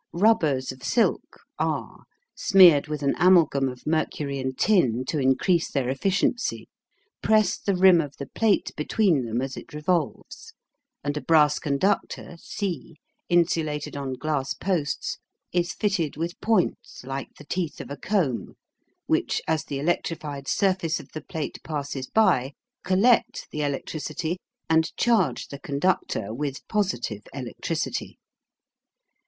Rubbers of silk R, smeared with an amalgam of mercury and tin, to increase their efficiency, press the rim of the plate between them as it revolves, and a brass conductor C, insulated on glass posts, is fitted with points like the teeth of a comb, which, as the electrified surface of the plate passes by, collect the electricity and charge the conductor with positive electricity.